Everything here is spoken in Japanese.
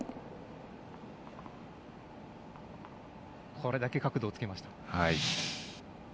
これだけ角度をつけました。